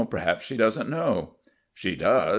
"Perhaps she doesn't know." "She does.